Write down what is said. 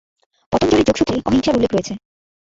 পতঞ্জলির যোগসূত্রে অহিংসার উল্লেখ রয়েছে।